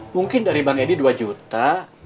mungkin dari bang edi dua juta